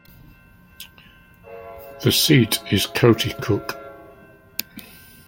The seat is Coaticook.